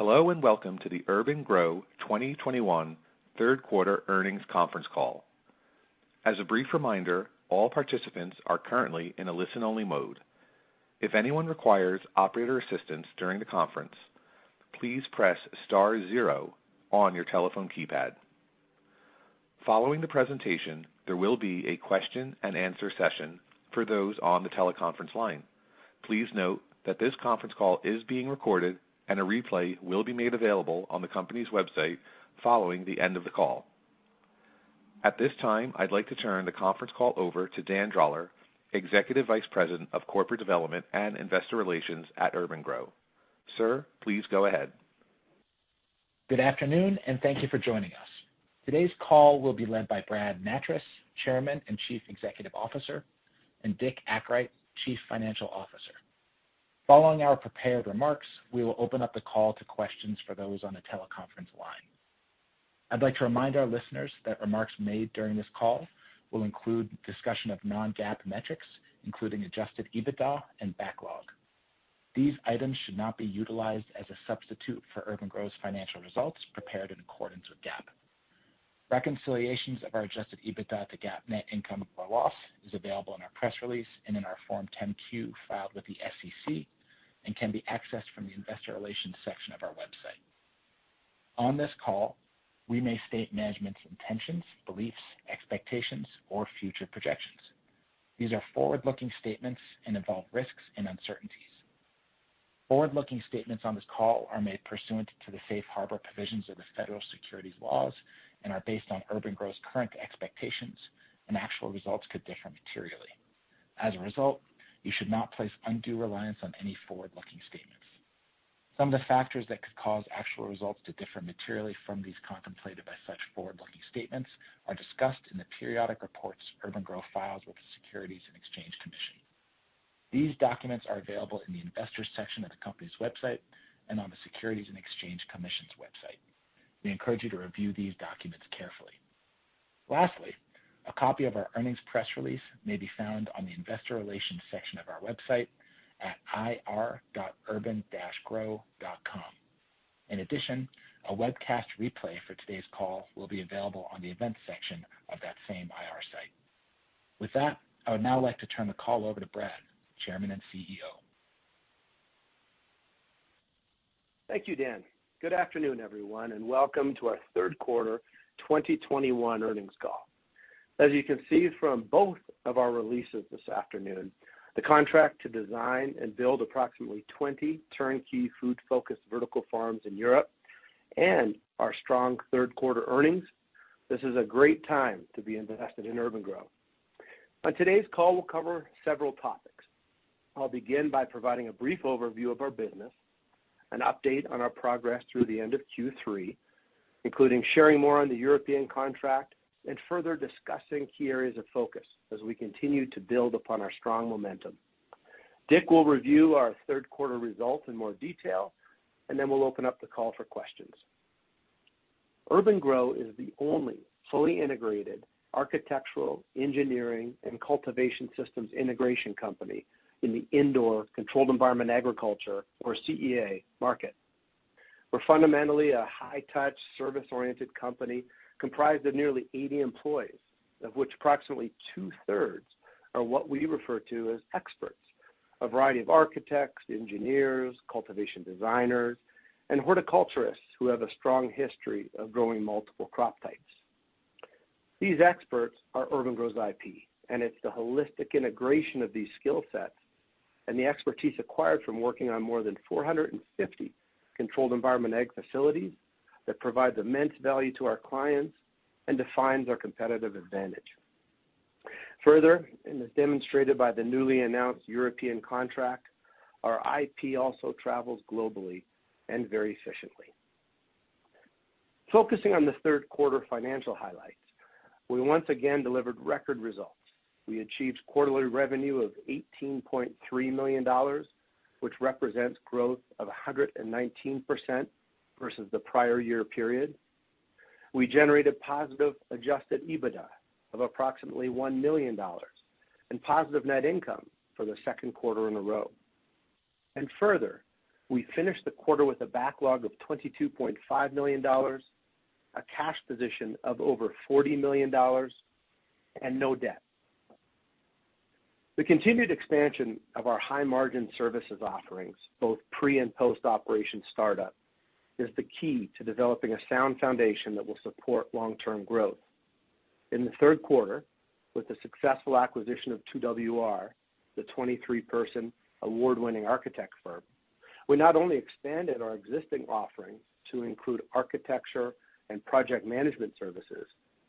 Hello, and welcome to the urban-gro 2021 Third Quarter Earnings Conference Call. As a brief reminder, all participants are currently in a listen-only mode. If anyone requires operator assistance during the conference, please press star zero on your telephone keypad. Following the presentation, there will be a question-and-answer session for those on the teleconference line. Please note that this conference call is being recorded, and a replay will be made available on the company's website following the end of the call. At this time, I'd like to turn the conference call over to Dan Droller, Executive Vice President of Corporate Development and Investor Relations at urban-gro. Sir, please go ahead. Good afternoon, and thank you for joining us. Today's call will be led by Brad Nattrass, Chairman and Chief Executive Officer, and Dick Akright, Chief Financial Officer. Following our prepared remarks, we will open up the call to questions for those on the teleconference line. I'd like to remind our listeners that remarks made during this call will include discussion of non-GAAP metrics, including adjusted EBITDA and backlog. These items should not be utilized as a substitute for urban-gro's financial results prepared in accordance with GAAP. Reconciliations of our adjusted EBITDA to GAAP net income or loss is available in our press release and in our Form 10-Q filed with the SEC and can be accessed from the investor relations section of our website. On this call, we may state management's intentions, beliefs, expectations, or future projections. These are forward-looking statements and involve risks and uncertainties. Forward-looking statements on this call are made pursuant to the safe harbor provisions of the Federal Securities laws and are based on urban-gro's current expectations, and actual results could differ materially. As a result, you should not place undue reliance on any forward-looking statements. Some of the factors that could cause actual results to differ materially from these contemplated by such forward-looking statements are discussed in the periodic reports urban-gro files with the Securities and Exchange Commission. These documents are available in the investors section of the company's website and on the Securities and Exchange Commission's website. We encourage you to review these documents carefully. Lastly, a copy of our earnings press release may be found on the investor relations section of our website at ir.urban-gro.com. In addition, a webcast replay for today's call will be available on the events section of that same IR site. With that, I would now like to turn the call over to Brad, Chairman and CEO. Thank you, Dan. Good afternoon, everyone, and welcome to our Third Quarter 2021 earnings call. As you can see from both of our releases this afternoon, the contract to design and build approximately 20 turnkey food-focused vertical farms in Europe and our strong third quarter earnings, this is a great time to be invested in urban-gro. On today's call, we'll cover several topics. I'll begin by providing a brief overview of our business, an update on our progress through the end of Q3, including sharing more on the European contract and further discussing key areas of focus as we continue to build upon our strong momentum. Dick will review our third quarter results in more detail, and then we'll open up the call for questions. urban-gro is the only fully integrated architectural, engineering, and cultivation systems integration company in the indoor controlled environment agriculture or CEA market. We're fundamentally a high-touch, service-oriented company comprised of nearly 80 employees, of which approximately two-thirds are what we refer to as experts, a variety of architects, engineers, cultivation designers, and horticulturists who have a strong history of growing multiple crop types. These experts are urban-gro's IP, and it's the holistic integration of these skill sets and the expertise acquired from working on more than 450 controlled environment ag facilities that provides immense value to our clients and defines our competitive advantage. Further, and as demonstrated by the newly announced European contract, our IP also travels globally and very efficiently. Focusing on the third quarter financial highlights, we once again delivered record results. We achieved quarterly revenue of $18.3 million, which represents growth of 119% versus the prior year period. We generated positive adjusted EBITDA of approximately $1 million and positive net income for the second quarter in a row. Further, we finished the quarter with a backlog of $22.5 million, a cash position of over $40 million, and no debt. The continued expansion of our high-margin services offerings, both pre- and post-operation startup, is the key to developing a sound foundation that will support long-term growth. In the third quarter, with the successful acquisition of 2WR, the 23-person award-winning architect firm, we not only expanded our existing offerings to include architecture and project management services,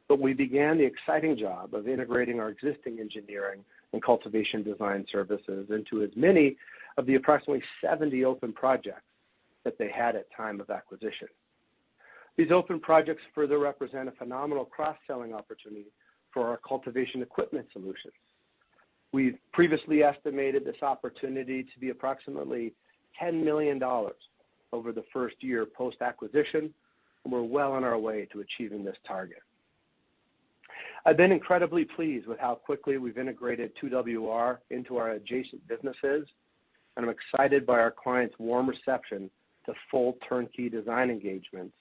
but we began the exciting job of integrating our existing engineering and cultivation design services into as many of the approximately 70 open projects that they had at time of acquisition. These open projects further represent a phenomenal cross-selling opportunity for our cultivation equipment solutions. We previously estimated this opportunity to be approximately $10 million over the first year post-acquisition, and we're well on our way to achieving this target. I've been incredibly pleased with how quickly we've integrated 2WR into our adjacent businesses, and I'm excited by our clients' warm reception to full turnkey design engagements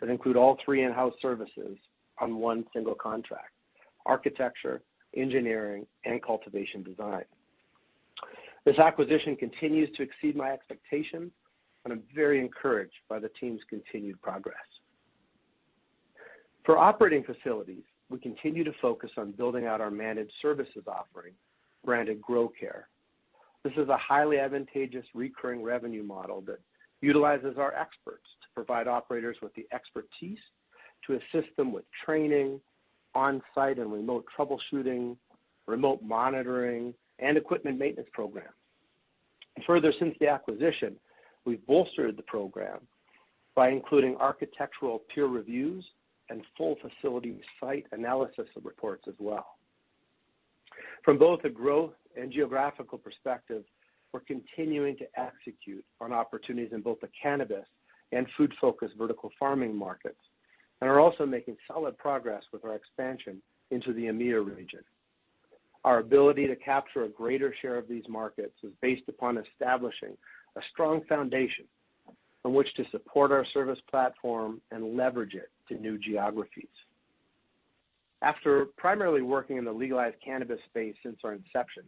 that include all three in-house services on one single contract, architecture, engineering, and cultivation design. This acquisition continues to exceed my expectations, and I'm very encouraged by the team's continued progress. For operating facilities, we continue to focus on building out our managed services offering, branded gro-care. This is a highly advantageous recurring revenue model that utilizes our experts to provide operators with the expertise to assist them with training, on-site and remote troubleshooting, remote monitoring, and equipment maintenance program. Further, since the acquisition, we've bolstered the program by including architectural peer reviews and full facility site analysis reports as well. From both a growth and geographical perspective, we're continuing to execute on opportunities in both the cannabis and food-focused vertical farming markets and are also making solid progress with our expansion into the EMEIA region. Our ability to capture a greater share of these markets is based upon establishing a strong foundation on which to support our service platform and leverage it to new geographies. After primarily working in the legalized cannabis space since our inception,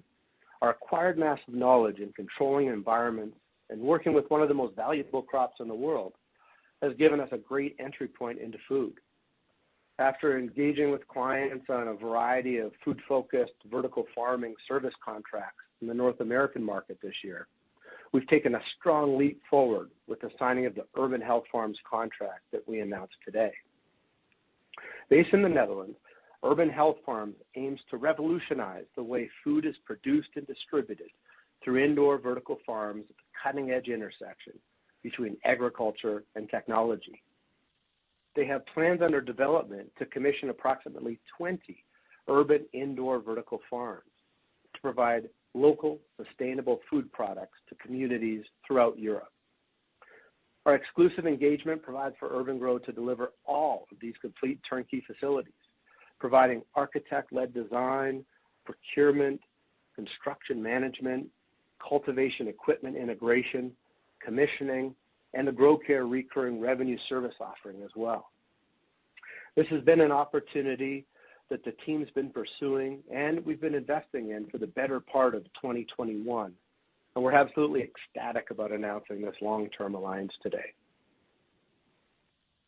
our acquired mass of knowledge in controlled environment and working with one of the most valuable crops in the world has given us a great entry point into food. After engaging with clients on a variety of food-focused vertical farming service contracts in the North American market this year, we've taken a strong leap forward with the signing of the Urban Health Farms contract that we announced today. Based in the Netherlands, Urban Health Farms aims to revolutionize the way food is produced and distributed through indoor vertical farms at the cutting-edge intersection between agriculture and technology. They have plans under development to commission approximately 20 urban indoor vertical farms to provide local, sustainable food products to communities throughout Europe. Our exclusive engagement provides for urban-gro to deliver all of these complete turnkey facilities, providing architect-led design, procurement, construction management, cultivation equipment integration, commissioning, and the gro-care recurring revenue service offering as well. This has been an opportunity that the team's been pursuing and we've been investing in for the better part of 2021, and we're absolutely ecstatic about announcing this long-term alliance today.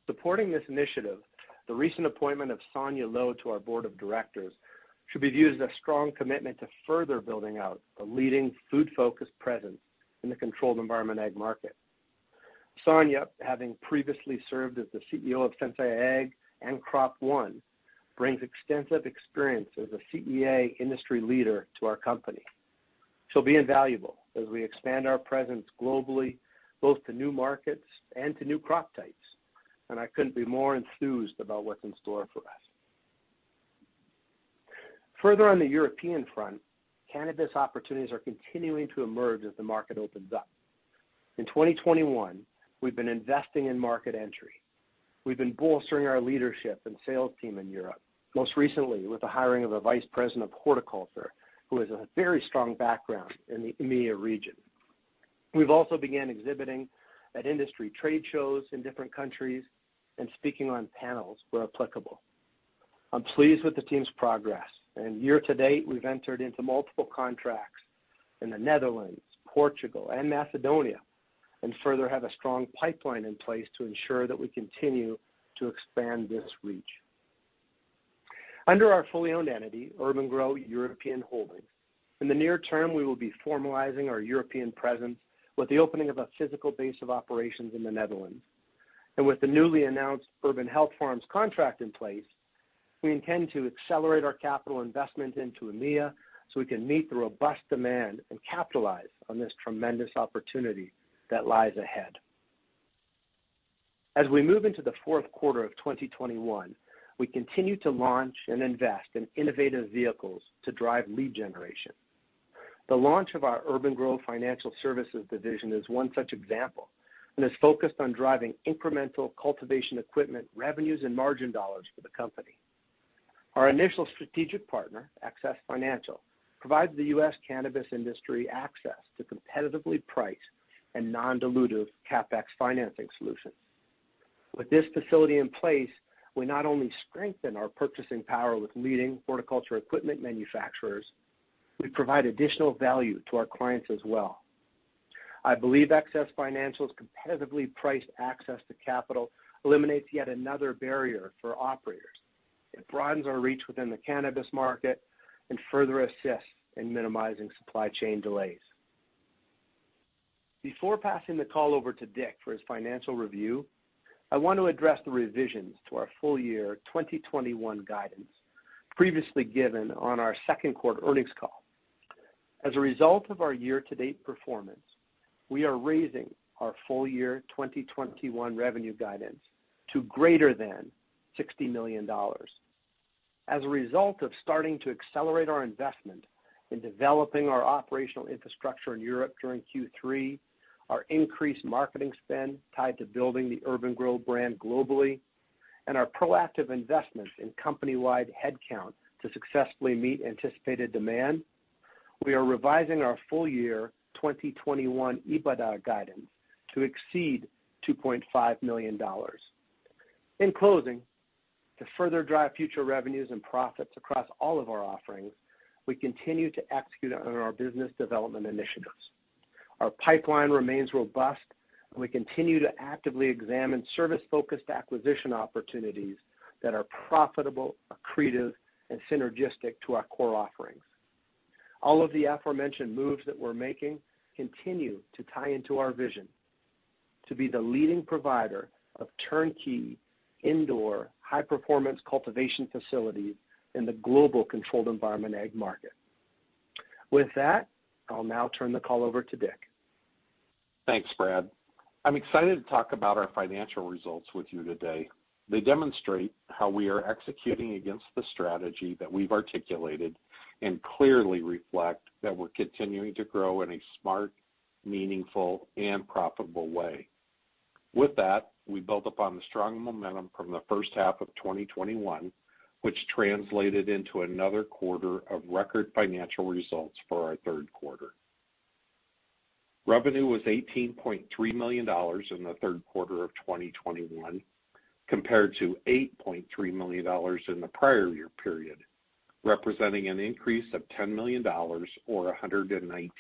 Supporting this initiative, the recent appointment of Sonia Lo to our board of directors should be viewed as a strong commitment to further building out a leading food-focused presence in the controlled environment ag market. Sonia, having previously served as the CEO of Sensei Ag and Crop One, brings extensive experience as a CEA industry leader to our company. She'll be invaluable as we expand our presence globally, both to new markets and to new crop types, and I couldn't be more enthused about what's in store for us. Further on the European front, cannabis opportunities are continuing to emerge as the market opens up. In 2021, we've been investing in market entry. We've been bolstering our leadership and sales team in Europe, most recently with the hiring of a vice president of horticulture who has a very strong background in the EMEIA region. We've also began exhibiting at industry trade shows in different countries and speaking on panels where applicable. I'm pleased with the team's progress. Year to date, we've entered into multiple contracts in the Netherlands, Portugal, and Macedonia, and further have a strong pipeline in place to ensure that we continue to expand this reach. Under our fully owned entity, urban-gro European Holdings, in the near term, we will be formalizing our European presence with the opening of a physical base of operations in the Netherlands. With the newly announced Urban Health Farms contract in place, we intend to accelerate our capital investment into EMEIA, so we can meet the robust demand and capitalize on this tremendous opportunity that lies ahead. As we move into the fourth quarter of 2021, we continue to launch and invest in innovative vehicles to drive lead generation. The launch of our urban-gro Financial Services division is one such example, and is focused on driving incremental cultivation equipment, revenues, and margin dollars for the company. Our initial strategic partner, Access Financial, provides the U.S. cannabis industry access to competitively priced and non-dilutive CapEx financing solutions. With this facility in place, we not only strengthen our purchasing power with leading horticulture equipment manufacturers, we provide additional value to our clients as well. I believe Access Financial's competitively priced access to capital eliminates yet another barrier for operators. It broadens our reach within the cannabis market and further assists in minimizing supply chain delays. Before passing the call over to Dick for his financial review, I want to address the revisions to our full year 2021 guidance previously given on our second quarter earnings call. As a result of our year-to-date performance, we are raising our full year 2021 revenue guidance to greater than $60 million. As a result of starting to accelerate our investment in developing our operational infrastructure in Europe during Q3, our increased marketing spend tied to building the urban-gro brand globally, and our proactive investments in company-wide headcount to successfully meet anticipated demand, we are revising our full year 2021 EBITDA guidance to exceed $2.5 million. In closing, to further drive future revenues and profits across all of our offerings, we continue to execute on our business development initiatives. Our pipeline remains robust, and we continue to actively examine service-focused acquisition opportunities that are profitable, accretive, and synergistic to our core offerings. All of the aforementioned moves that we're making continue to tie into our vision to be the leading provider of turnkey indoor high-performance cultivation facilities in the global controlled environment ag market. With that, I'll now turn the call over to Dick. Thanks, Brad. I'm excited to talk about our financial results with you today. They demonstrate how we are executing against the strategy that we've articulated and clearly reflect that we're continuing to grow in a smart, meaningful, and profitable way. With that, we built upon the strong momentum from the first half of 2021, which translated into another quarter of record financial results for our third quarter. Revenue was $18.3 million in the third quarter of 2021 compared to $8.3 million in the prior year period, representing an increase of $10 million or 119%.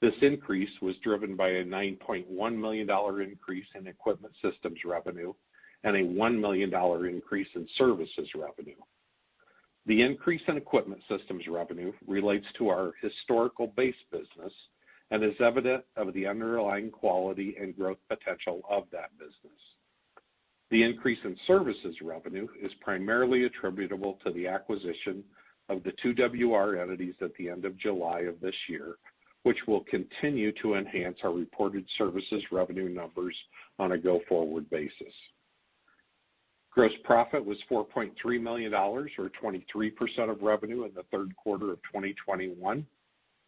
This increase was driven by a $9.1 million increase in equipment systems revenue and a $1 million increase in services revenue. The increase in equipment systems revenue relates to our historical base business and is evident of the underlying quality and growth potential of that business. The increase in services revenue is primarily attributable to the acquisition of 2WR entities at the end of July of this year, which will continue to enhance our reported services revenue numbers on a go-forward basis. Gross profit was $4.3 million or 23% of revenue in the third quarter of 2021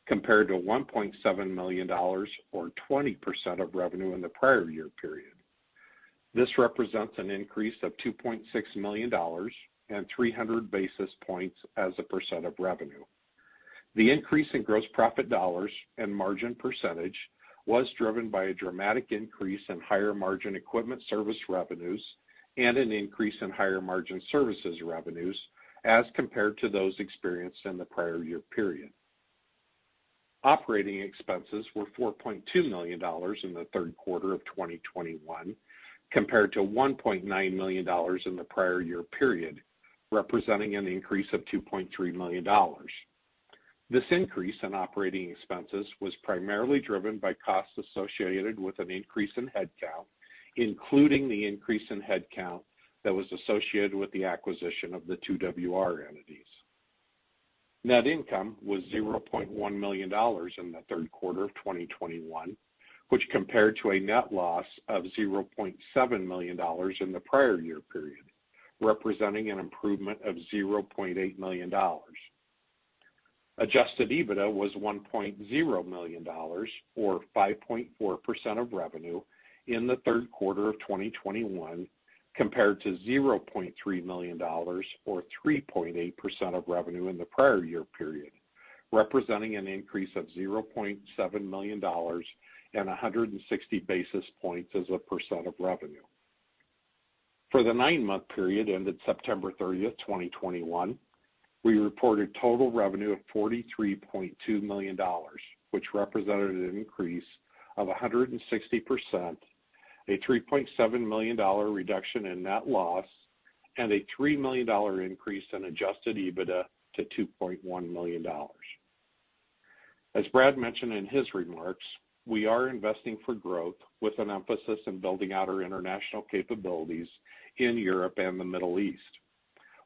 compared to $1.7 million or 20% of revenue in the prior year period. This represents an increase of $2.6 million and 300 basis points as a percent of revenue. The increase in gross profit dollars and margin percentage was driven by a dramatic increase in higher margin equipment service revenues and an increase in higher margin services revenues as compared to those experienced in the prior year period. Operating expenses were $4.2 million in the third quarter of 2021 compared to $1.9 million in the prior year period, representing an increase of $2.3 million. This increase in operating expenses was primarily driven by costs associated with an increase in headcount, including the increase in headcount that was associated with the acquisition of the 2WR entities. Net income was $0.1 million in the third quarter of 2021, which compared to a net loss of $0.7 million in the prior year period, representing an improvement of $0.8 million. Adjusted EBITDA was $1.0 million or 5.4% of revenue in the third quarter of 2021 compared to $0.3 million or 3.8% of revenue in the prior year period, representing an increase of $0.7 million and 160 basis points as a percent of revenue. For the nine-month period ended September 30th, 2021, we reported total revenue of $43.2 million, which represented an increase of 160%, a $3.7 million reduction in net loss, and a $3 million increase in adjusted EBITDA to $2.1 million. As Brad mentioned in his remarks, we are investing for growth with an emphasis on building out our international capabilities in Europe and the Middle East.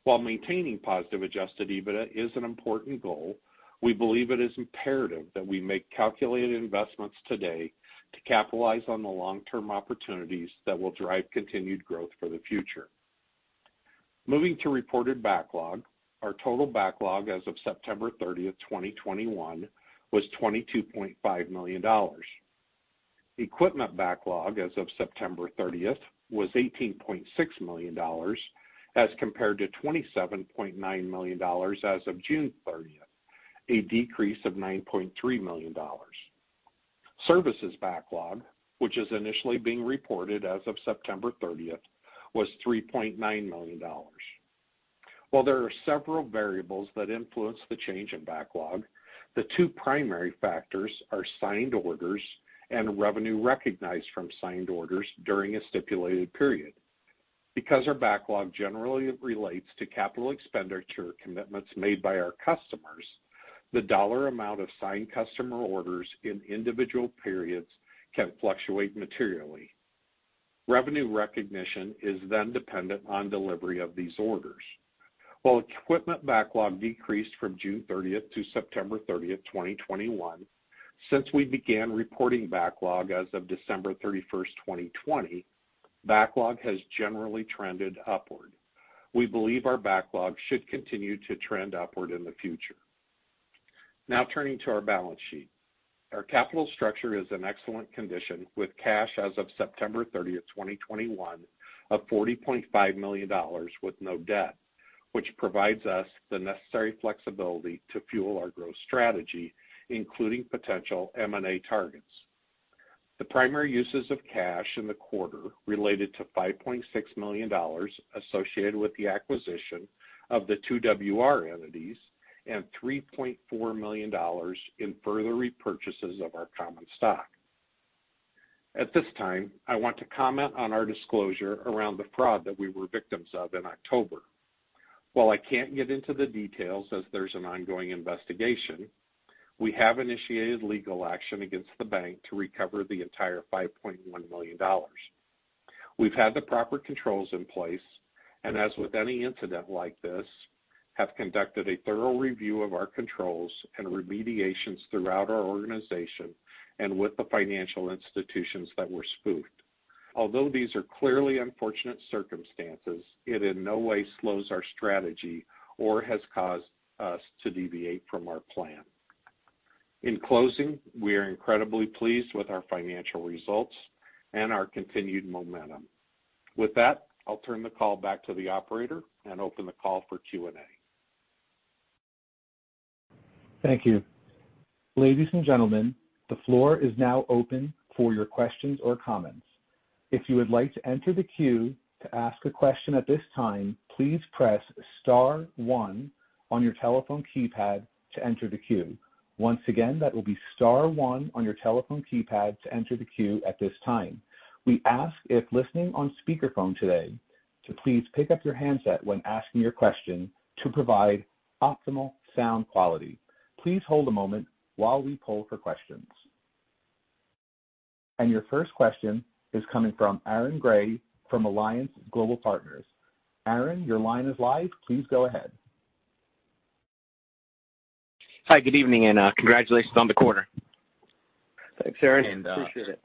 While maintaining positive adjusted EBITDA is an important goal, we believe it is imperative that we make calculated investments today to capitalize on the long-term opportunities that will drive continued growth for the future. Moving to reported backlog, our total backlog as of September 30th, 2021 was $22.5 million. Equipment backlog as of September 30th was $18.6 million as compared to $27.9 million as of June 30th, a decrease of $9.3 million. Services backlog, which is initially being reported as of September 30th, was $3.9 million. While there are several variables that influence the change in backlog, the two primary factors are signed orders and revenue recognized from signed orders during a stipulated period. Because our backlog generally relates to capital expenditure commitments made by our customers, the dollar amount of signed customer orders in individual periods can fluctuate materially. Revenue recognition is then dependent on delivery of these orders. While equipment backlog decreased from June 30th to September 30th, 2021, since we began reporting backlog as of December 31st, 2020 Backlog has generally trended upward. We believe our backlog should continue to trend upward in the future. Now turning to our balance sheet. Our capital structure is in excellent condition, with cash as of September 30th, 2021 of $40.5 million with no debt, which provides us the necessary flexibility to fuel our growth strategy, including potential M&A targets. The primary uses of cash in the quarter related to $5.6 million associated with the acquisition of the 2WR entities and $3.4 million in further repurchases of our common stock. At this time, I want to comment on our disclosure around the fraud that we were victims of in October. While I can't get into the details as there's an ongoing investigation, we have initiated legal action against the bank to recover the entire $5.1 million. We've had the proper controls in place, and as with any incident like this, have conducted a thorough review of our controls and remediations throughout our organization and with the financial institutions that were spoofed. Although these are clearly unfortunate circumstances, it in no way slows our strategy or has caused us to deviate from our plan. In closing, we are incredibly pleased with our financial results and our continued momentum. With that, I'll turn the call back to the operator and open the call for Q&A. Thank you. Ladies and gentlemen, the floor is now open for your questions or comments. If you would like to enter the queue to ask a question at this time, please press star one on your telephone keypad to enter the queue. Once again, that will be star one on your telephone keypad to enter the queue at this time. We ask if listening on speakerphone today to please pick up your handset when asking your question to provide optimal sound quality. Please hold a moment while we poll for questions. Your first question is coming from Aaron Grey from Alliance Global Partners. Aaron, your line is live. Please go ahead. Hi, good evening, and congratulations on the quarter. Thanks, Aaron. Appreciate it.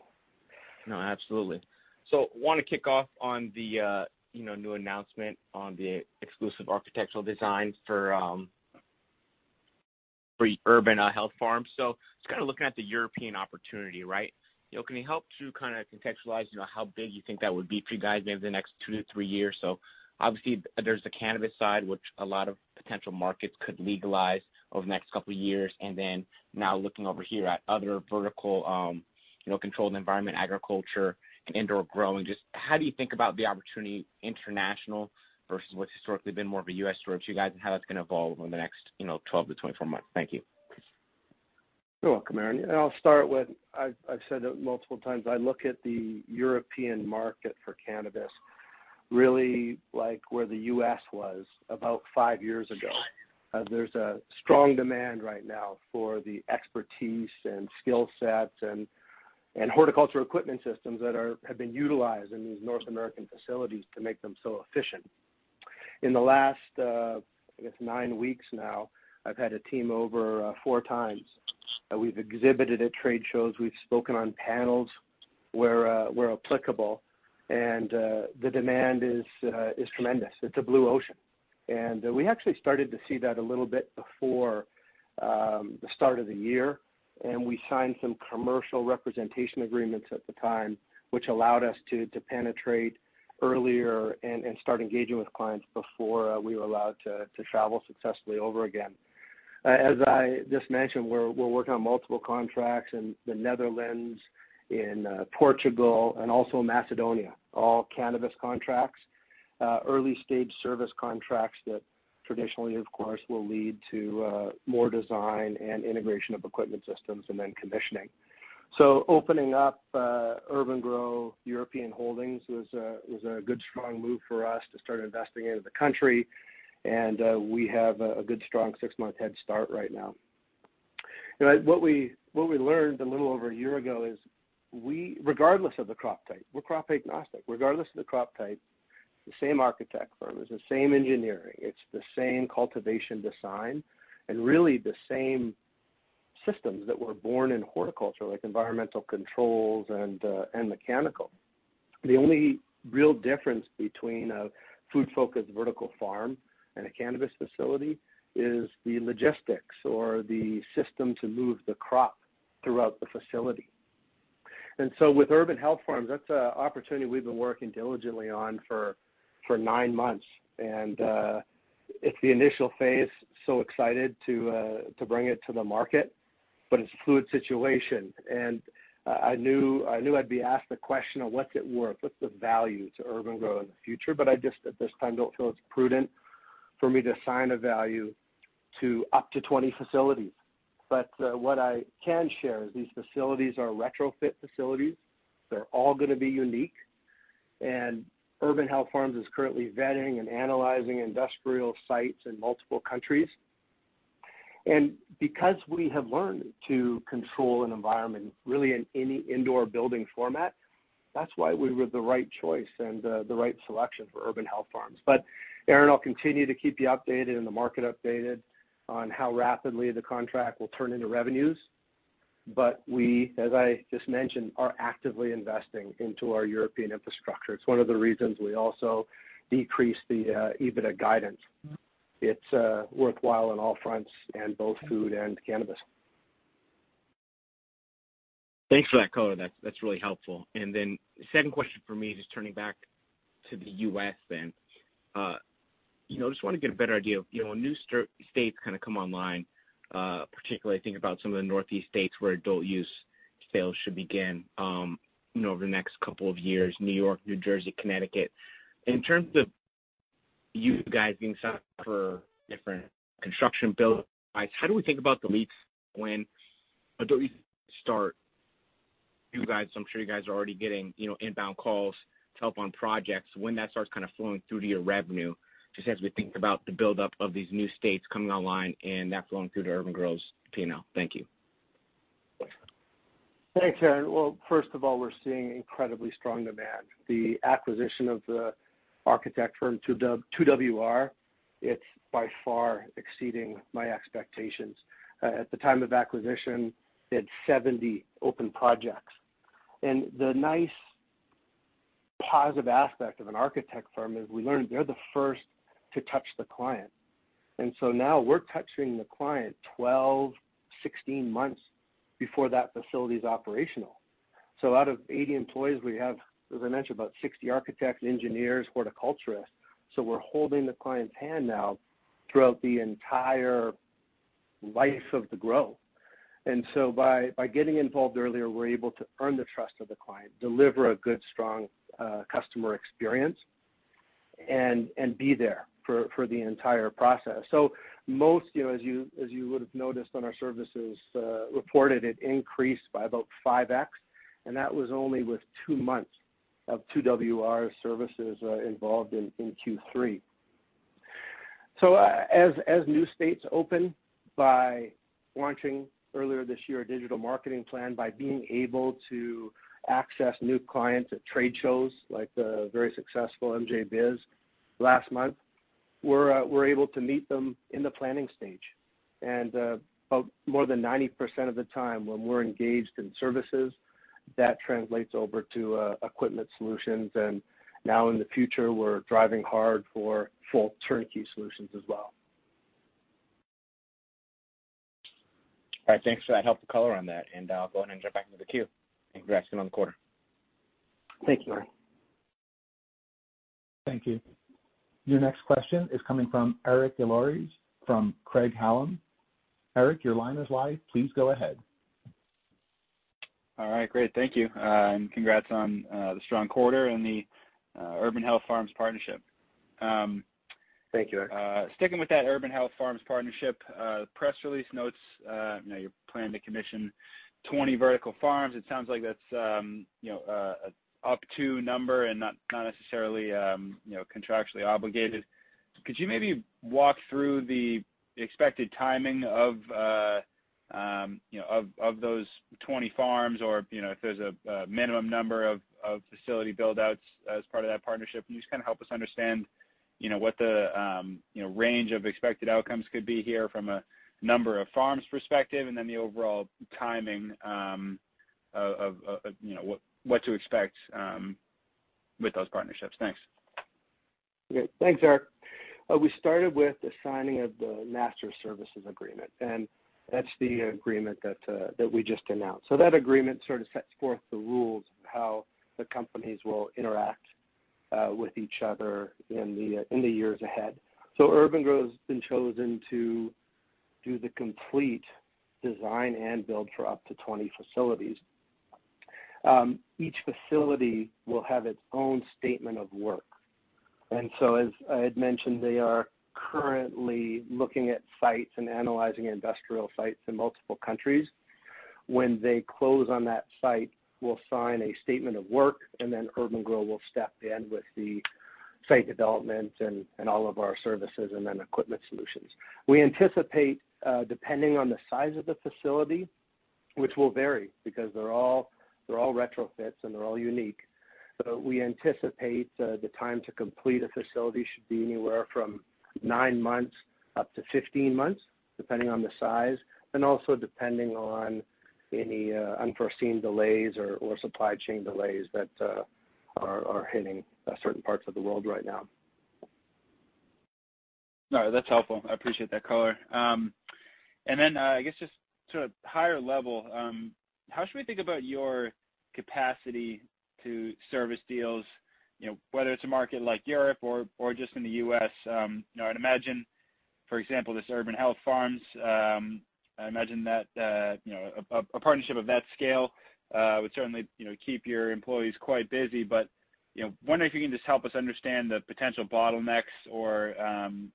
No, absolutely. Want to kick off on the, you know, new announcement on the exclusive architectural design for Urban Health Farms. Just kind of looking at the European opportunity, right? You know, can you help to kind of contextualize, you know, how big you think that would be for you guys maybe in the next two to three years? Obviously there's the cannabis side, which a lot of potential markets could legalize over the next couple of years. Then now looking over here at other vertical, you know, controlled environment agriculture and indoor growing, just how do you think about the opportunity international versus what's historically been more of a U.S. story for you guys and how that's going to evolve over the next, you know, 12-24 months? Thank you. You're welcome, Aaron. I'll start with, I've said it multiple times. I look at the European market for cannabis really like where the U.S. was about five years ago. There's a strong demand right now for the expertise and skill sets and horticulture equipment systems that have been utilized in these North American facilities to make them so efficient. In the last, I guess nine weeks now, I've had a team over four times. We've exhibited at trade shows. We've spoken on panels where applicable, and the demand is tremendous. It's a blue ocean. We actually started to see that a little bit before the start of the year. We signed some commercial representation agreements at the time, which allowed us to penetrate earlier and start engaging with clients before we were allowed to travel successfully over again. As I just mentioned, we're working on multiple contracts in the Netherlands, in Portugal and also Macedonia, all cannabis contracts, early stage service contracts that traditionally, of course, will lead to more design and integration of equipment systems and then commissioning. Opening up urban-gro European Holdings was a good, strong move for us to start investing into the country. We have a good, strong six-month head start right now. You know, what we learned a little over a year ago is we, regardless of the crop type, we're crop agnostic. Regardless of the crop type, the same architect firm, it's the same engineering, it's the same cultivation design, and really the same systems that were born in horticulture, like environmental controls and mechanical. The only real difference between a food-focused vertical farm and a cannabis facility is the logistics or the system to move the crop throughout the facility. With Urban Health Farms, that's an opportunity we've been working diligently on for nine months. It's the initial phase, so excited to bring it to the market, but it's a fluid situation. I knew I'd be asked the question of what's it worth, what's the value to urban-gro in the future, but I just at this time don't feel it's prudent for me to assign a value to up to 20 facilities. What I can share is these facilities are retrofit facilities. They're all going to be unique. Urban Health Farms is currently vetting and analyzing industrial sites in multiple countries. Because we have learned to control an environment really in any indoor building format, that's why we were the right choice and the right selection for Urban Health Farms. Aaron, I'll continue to keep you updated and the market updated on how rapidly the contract will turn into revenues. We, as I just mentioned, are actively investing into our European infrastructure. It's one of the reasons we also decreased the EBITDA guidance. It's worthwhile on all fronts in both food and cannabis. Thanks for that color. That's really helpful. The second question for me, just turning back to the U.S. then. I just wanna get a better idea of when new states kind of come online, particularly I think about some of the Northeast states where adult use sales should begin, you know, over the next couple of years, New York, New Jersey, Connecticut. In terms of you guys being signed for different construction build-outs, how do we think about the leads when adult use start? You guys, I'm sure you guys are already getting, you know, inbound calls to help on projects. When that starts kind of flowing through to your revenue, just as we think about the buildup of these new states coming online and that flowing through to urban-gro's P&L. Thank you. Thanks, Aaron. Well, first of all, we're seeing incredibly strong demand. The acquisition of the architect firm, 2WR, is by far exceeding my expectations. At the time of acquisition, they had 70 open projects. The nice positive aspect of an architect firm is we learned they're the first to touch the client. Now we're touching the client 12, 16 months before that facility is operational. Out of 80 employees, we have, as I mentioned, about 60 architects, engineers, horticulturists. We're holding the client's hand now throughout the entire life of the grow. By getting involved earlier, we're able to earn the trust of the client, deliver a good, strong customer experience and be there for the entire process. Most, you know, as you would have noticed on our services reported, it increased by about 5x, and that was only with two months of 2WR services involved in Q3. As new states open by launching earlier this year a digital marketing plan, by being able to access new clients at trade shows like the very successful MJBizCon last month, we're able to meet them in the planning stage. About more than 90% of the time when we're engaged in services, that translates over to equipment solutions. Now in the future, we're driving hard for full turnkey solutions as well. All right. Thanks for that helpful color on that, and I'll go ahead and jump back into the queue. Congrats again on the quarter. Thank you, Aaron. Thank you. Your next question is coming from Eric Des Lauriers from Craig-Hallum. Eric, your line is live. Please go ahead. All right, great. Thank you. Congrats on the strong quarter and the Urban Health Farms partnership. Thank you, Eric. Sticking with that Urban Health Farms partnership, the press release notes, you know, you're planning to commission 20 vertical farms. It sounds like that's, you know, an up-to number and not necessarily contractually obligated. Could you maybe walk through the expected timing of those 20 farms or, you know, if there's a minimum number of facility build-outs as part of that partnership? Can you just kind of help us understand, you know, what the range of expected outcomes could be here from a number of farms perspective and then the overall timing of what to expect with those partnerships? Thanks. Great. Thanks, Eric. We started with the signing of the master services agreement, and that's the agreement that that we just announced. That agreement sort of sets forth the rules of how the companies will interact with each other in the years ahead. Urban-gro has been chosen to do the complete design and build for up to 20 facilities. Each facility will have its own statement of work. As I had mentioned, they are currently looking at sites and analyzing industrial sites in multiple countries. When they close on that site, we'll sign a statement of work, and then urban-gro will step in with the site development and all of our services and then equipment solutions. We anticipate, depending on the size of the facility, which will vary because they're all retrofits and they're all unique. We anticipate the time to complete a facility should be anywhere from nine months up to 15 months, depending on the size, and also depending on any unforeseen delays or supply chain delays that are hitting certain parts of the world right now. No, that's helpful. I appreciate that color. I guess just to a higher level, how should we think about your capacity to service deals, you know, whether it's a market like Europe or just in the U.S.? You know, I'd imagine, for example, this Urban Health Farms, I imagine that, you know, a partnership of that scale would certainly, you know, keep your employees quite busy. You know, wondering if you can just help us understand the potential bottlenecks or,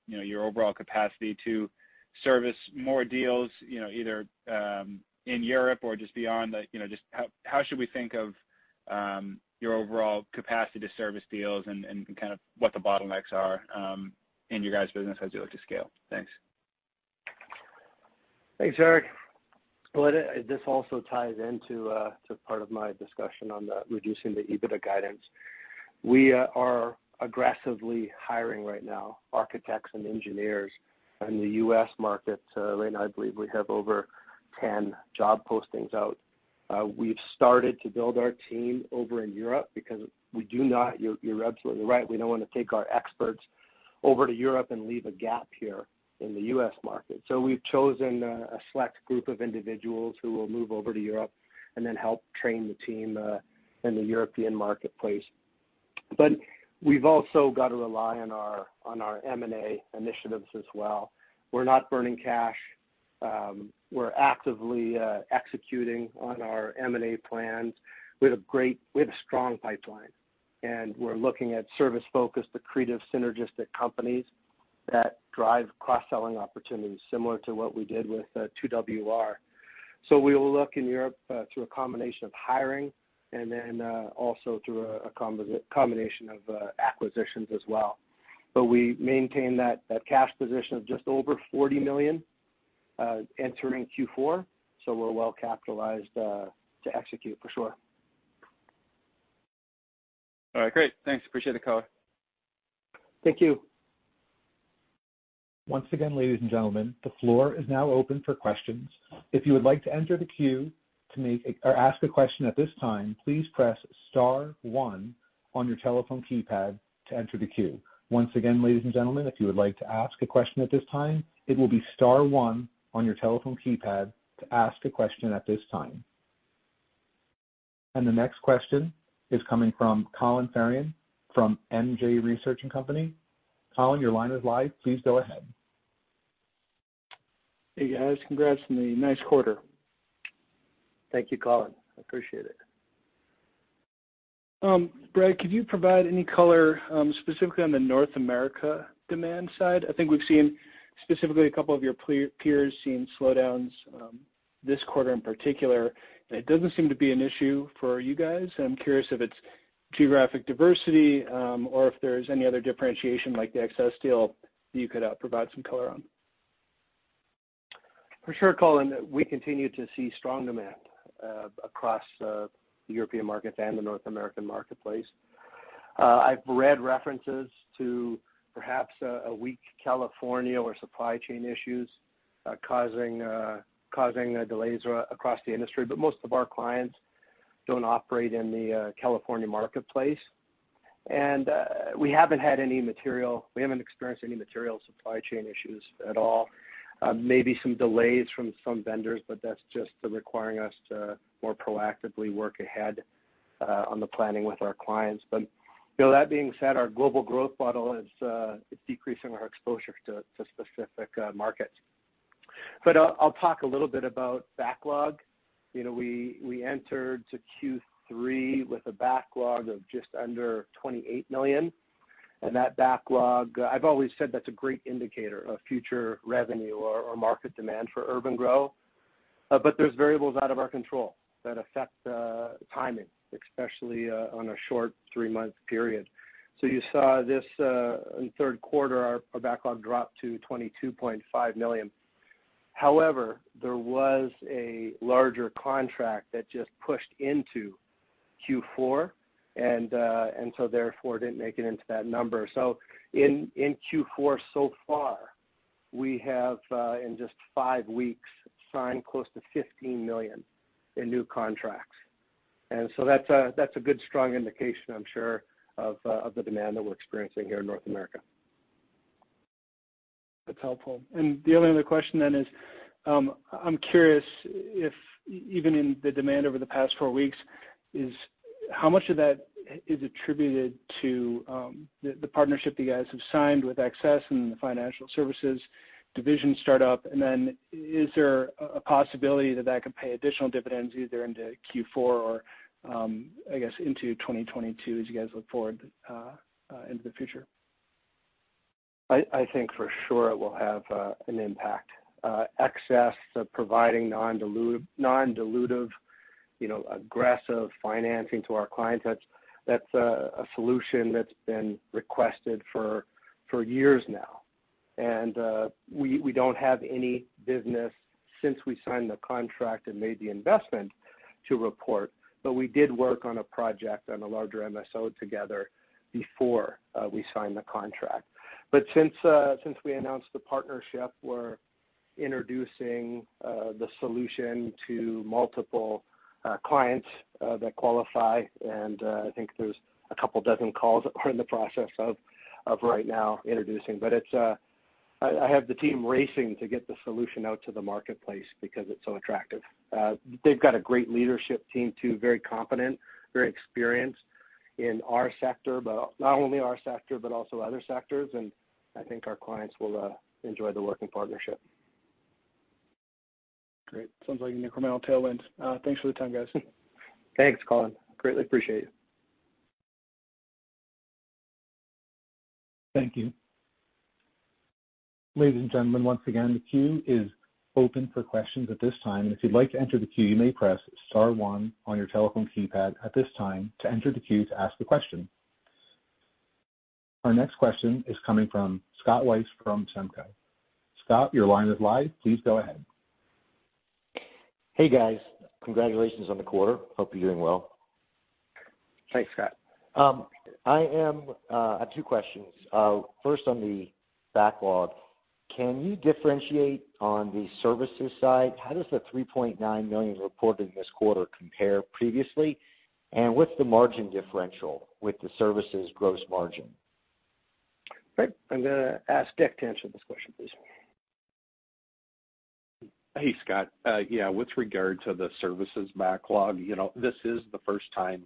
you know, your overall capacity to service more deals, you know, either in Europe or just beyond the. You know, just how should we think of your overall capacity to service deals and kind of what the bottlenecks are in your guys' business as you look to scale? Thanks. Thanks, Eric. Well, this also ties into part of my discussion on reducing the EBITDA guidance. We are aggressively hiring right now, architects and engineers in the U.S. market. Right now, I believe we have over 10 job postings out. We've started to build our team over in Europe because you're absolutely right, we don't wanna take our experts over to Europe and leave a gap here in the U.S. market. We've chosen a select group of individuals who will move over to Europe and then help train the team in the European marketplace. We've also got to rely on our M&A initiatives as well. We're not burning cash. We're actively executing on our M&A plans. We have a strong pipeline, and we're looking at service-focused, accretive, synergistic companies that drive cross-selling opportunities, similar to what we did with 2WR. We will look in Europe through a combination of hiring and then also through a combination of acquisitions as well. We maintain that cash position of just over $40 million entering Q4, so we're well capitalized to execute, for sure. All right, great. Thanks. Appreciate the call. Thank you. Once again, ladies and gentlemen, the floor is now open for questions. If you would like to enter the queue to ask a question at this time, please press star one on your telephone keypad to enter the queue. Once again, ladies and gentlemen, if you would like to ask a question at this time, it will be star one on your telephone keypad to ask a question at this time. The next question is coming from Colin Ferrian from MJ Research and Company. Colin, your line is live. Please go ahead. Hey, guys. Congrats on the nice quarter. Thank you, Colin. Appreciate it. Brad, could you provide any color, specifically on the North America demand side? I think we've seen specifically a couple of your peers seeing slowdowns, this quarter in particular. It doesn't seem to be an issue for you guys. I'm curious if it's geographic diversity, or if there's any other differentiation like the Access deal you could provide some color on. For sure, Colin. We continue to see strong demand across the European markets and the North American marketplace. I've read references to perhaps a weak California or supply chain issues causing delays across the industry, but most of our clients don't operate in the California marketplace. We haven't experienced any material supply chain issues at all. Maybe some delays from some vendors, but that's just requiring us to more proactively work ahead on the planning with our clients. But, that being said, our global growth model is decreasing our exposure to specific markets. I'll talk a little bit about backlog. You know, we entered to Q3 with a backlog of just under $28 million, and that backlog, I've always said that's a great indicator of future revenue or market demand for urban-gro. There's variables out of our control that affect the timing, especially on a short three-month period. You saw this in the third quarter, our backlog dropped to $22.5 million. However, there was a larger contract that just pushed into Q4 and so therefore didn't make it into that number. In Q4 so far, we have in just five weeks, signed close to $15 million in new contracts. That's a good strong indication, I'm sure, of the demand that we're experiencing here in North America. That's helpful. The only other question then is, I'm curious if even in the demand over the past four weeks is how much of that is attributed to the partnership you guys have signed with Access and the financial services division startup? Then is there a possibility that that could pay additional dividends either into Q4 or, I guess, into 2022 as you guys look forward into the future? I think for sure it will have an impact. Access providing nondilutive, you know, aggressive financing to our clients, that's a solution that's been requested for years now. We don't have any business since we signed the contract and made the investment to report, but we did work on a project with a larger MSO together before we signed the contract. Since we announced the partnership, we're introducing the solution to multiple clients that qualify. I think there's a couple dozen calls that we're in the process of right now introducing. I have the team racing to get the solution out to the marketplace because it's so attractive. They've got a great leadership team too, very competent, very experienced in our sector, but not only our sector, but also other sectors. I think our clients will enjoy the working partnership. Great. Sounds like incremental tailwinds. Thanks for the time, guys. Thanks, Colin. Greatly appreciate it. Thank you. Ladies and gentlemen, once again, the queue is open for questions at this time. If you'd like to enter the queue, you may press star one on your telephone keypad at this time to enter the queue to ask a question. Our next question is coming from Scott Weiss from KAMCO. Scott, your line is live. Please go ahead. Hey guys, congratulations on the quarter. Hope you're doing well. Thanks, Scott. I have two questions. First on the backlog, can you differentiate on the services side? How does the $3.9 million reported this quarter compare previously? What's the margin differential with the services gross margin? Right. I'm gonna ask Dick to answer this question, please. Hey, Scott. Yeah, with regard to the services backlog, you know, this is the first time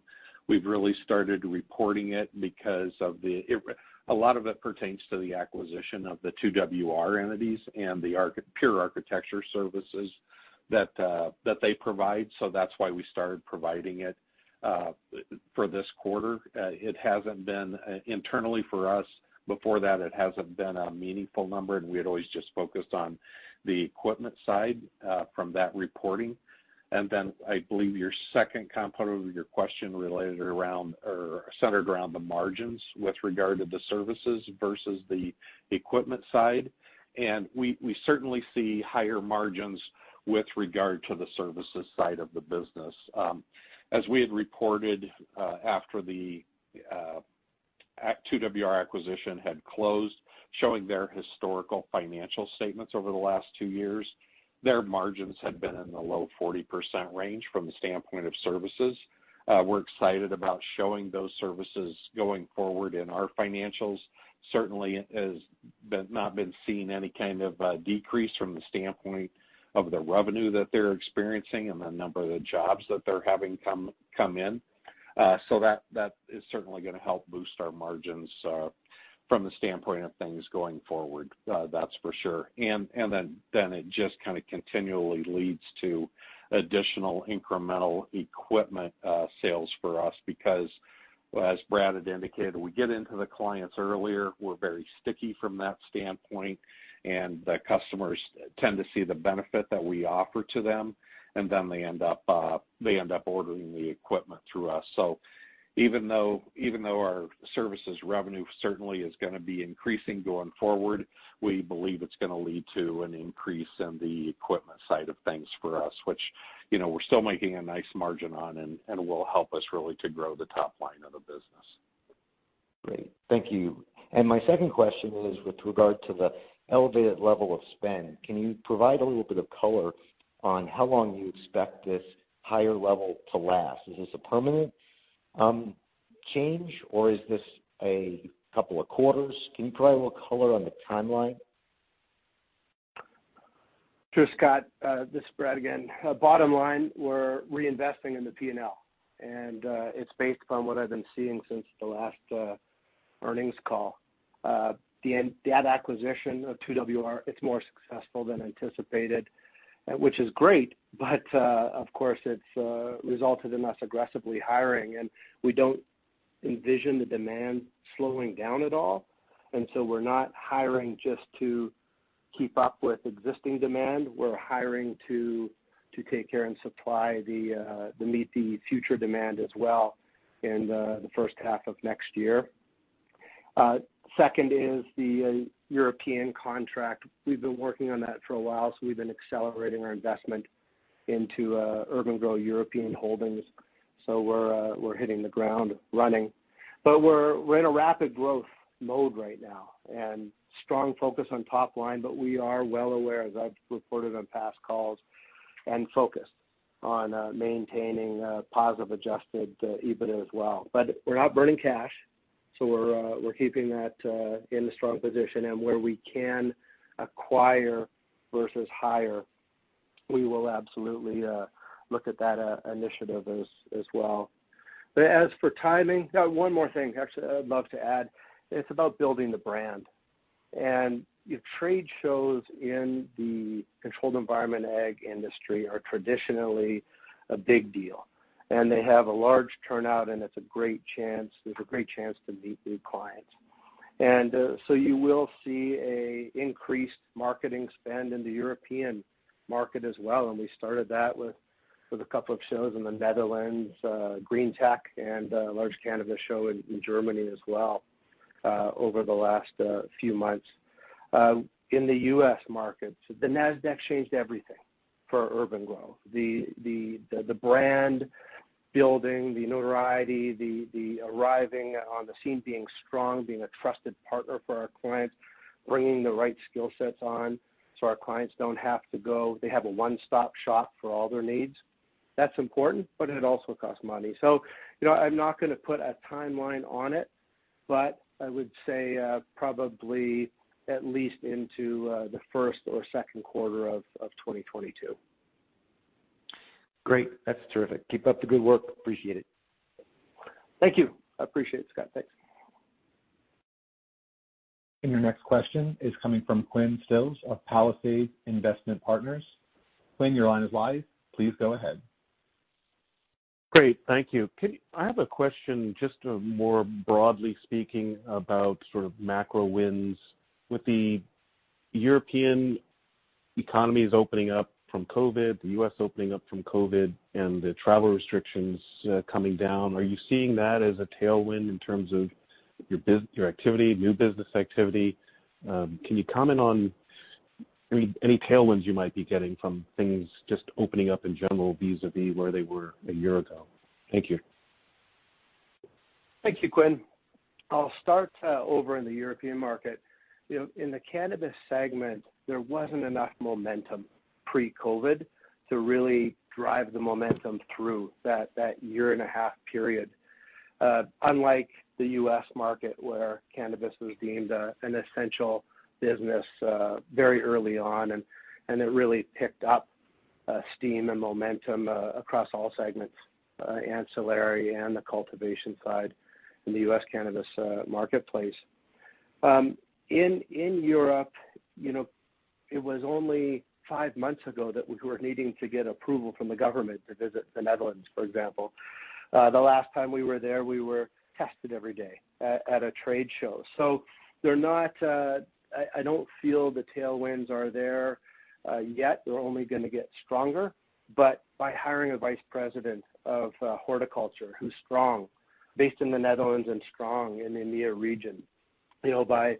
we've really started reporting it because a lot of it pertains to the acquisition of the 2WR entities and the architecture services that they provide. That's why we started providing it for this quarter. It hasn't been internally for us, before that it hasn't been a meaningful number, and we had always just focused on the equipment side from that reporting. I believe your second component of your question related around or centered around the margins with regard to the services versus the equipment side. We certainly see higher margins with regard to the services side of the business. As we had reported, after the 2WR acquisition had closed, showing their historical financial statements over the last two years, their margins had been in the low 40% range from the standpoint of services. We're excited about showing those services going forward in our financials. Certainly it has not been seeing any kind of decrease from the standpoint of the revenue that they're experiencing and the number of the jobs that they're having come in. That is certainly gonna help boost our margins from the standpoint of things going forward, that's for sure. It just kind of continually leads to additional incremental equipment sales for us because, as Brad had indicated, we get into the clients earlier. We're very sticky from that standpoint, and the customers tend to see the benefit that we offer to them, and then they end up ordering the equipment through us. Even though our services revenue certainly is gonna be increasing going forward, we believe it's gonna lead to an increase in the equipment side of things for us, which, you know, we're still making a nice margin on and will help us really to grow the top line of the business. Great. Thank you. My second question is with regard to the elevated level of spend. Can you provide a little bit of color on how long you expect this higher level to last? Is this a permanent change or is this a couple of quarters? Can you provide a little color on the timeline? Sure, Scott. This is Brad again. Bottom line, we're reinvesting in the P&L, and it's based upon what I've been seeing since the last earnings call. That acquisition of 2WR, it's more successful than anticipated, which is great, but of course, it's resulted in us aggressively hiring. We don't envision the demand slowing down at all, and so we're not hiring just to keep up with existing demand. We're hiring to take care and supply the to meet the future demand as well in the first half of next year. Second is the European contract. We've been working on that for a while, so we've been accelerating our investment into urban-gro European Holdings. We're hitting the ground running. We're in a rapid growth mode right now and strong focus on top line, but we are well aware, as I've reported on past calls, and focused on maintaining a positive adjusted EBITDA as well. We're not burning cash, so we're keeping that in a strong position. Where we can acquire versus hire, we will absolutely look at that initiative as well. As for timing. One more thing actually I'd love to add. It's about building the brand. Your trade shows in the controlled environment ag industry are traditionally a big deal, and they have a large turnout, and it's a great chance. There's a great chance to meet new clients. You will see an increased marketing spend in the European market as well, and we started that with a couple of shows in the Netherlands, GreenTech and a large cannabis show in Germany as well, over the last few months. In the U.S. market, the Nasdaq changed everything for urban-gro. The brand building, the notoriety, the arriving on the scene, being strong, being a trusted partner for our clients, bringing the right skill sets on so our clients don't have to go. They have a one-stop shop for all their needs. That's important, but it also costs money. You know, I'm not gonna put a timeline on it, but I would say probably at least into the first or second quarter of 2022. Great. That's terrific. Keep up the good work. Appreciate it. Thank you. I appreciate it, Scott. Thanks. Your next question is coming from Quinn Stills of Palisades Investment Partners. Quinn, your line is live. Please go ahead. Great. Thank you. I have a question just, more broadly speaking about sort of macro winds. With the European economies opening up from COVID, the U.S. opening up from COVID, and the travel restrictions, coming down, are you seeing that as a tailwind in terms of your business activity, new business activity? Can you comment on any tailwinds you might be getting from things just opening up in general vis-a-vis where they were a year ago? Thank you. Thank you, Quinn. I'll start over in the European market. You know, in the cannabis segment, there wasn't enough momentum pre-COVID to really drive the momentum through that year and a half period. Unlike the U.S. market, where cannabis was deemed an essential business very early on, and it really picked up steam and momentum across all segments, ancillary and the cultivation side in the U.S. cannabis marketplace. In Europe, you know, it was only five months ago that we were needing to get approval from the government to visit the Netherlands, for example. The last time we were there, we were tested every day at a trade show. So they're not. I don't feel the tailwinds are there yet. They're only gonna get stronger. But by hiring a vice president of horticulture who's strong, based in the Netherlands and strong in the EMEA region, you know, by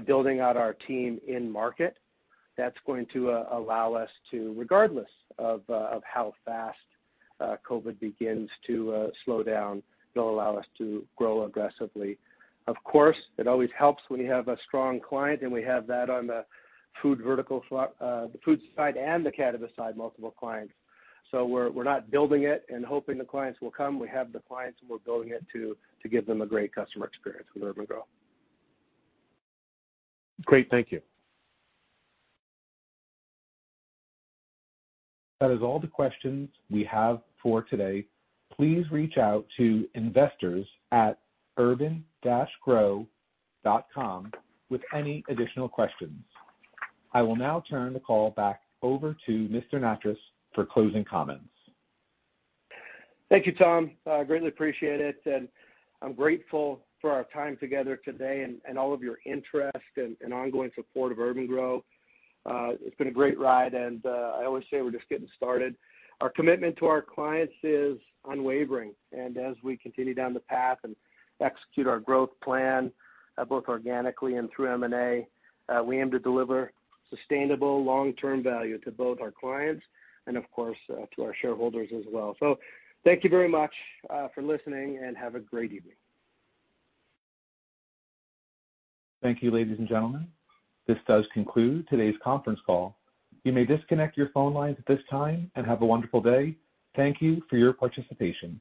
building out our team in market, that's going to allow us to, regardless of how fast COVID begins to slow down, it'll allow us to grow aggressively. Of course, it always helps when you have a strong client, and we have that on the food side and the cannabis side, multiple clients. We're not building it and hoping the clients will come. We have the clients, and we're building it to give them a great customer experience with urban-gro. Great. Thank you. That is all the questions we have for today. Please reach out to investors@urban-gro.com with any additional questions. I will now turn the call back over to Mr. Nattrass for closing comments. Thank you, Tom. I greatly appreciate it, and I'm grateful for our time together today and all of your interest and ongoing support of urban-gro. It's been a great ride, and I always say we're just getting started. Our commitment to our clients is unwavering. As we continue down the path and execute our growth plan, both organically and through M&A, we aim to deliver sustainable long-term value to both our clients and of course, to our shareholders as well. Thank you very much for listening, and have a great evening. Thank you, ladies and gentlemen. This does conclude today's conference call. You may disconnect your phone lines at this time and have a wonderful day. Thank you for your participation.